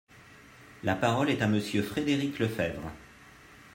La parole est à Monsieur Frédéric Lefebvre.